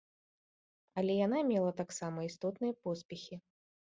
Але яна мела таксама істотныя поспехі.